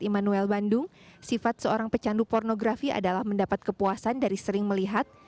immanuel bandung sifat seorang pecandu pornografi adalah mendapat kepuasan dari sering melihat